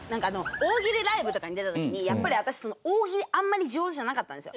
大喜利ライブとかに出た時にやっぱり私大喜利あんまり上手じゃなかったんですよ。